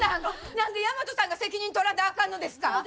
何で大和さんが責任取らなあかんのですか！？